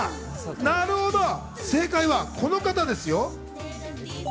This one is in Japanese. なるほど、正解はこの方ですよ。